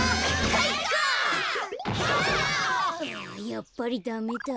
やっぱりダメだ。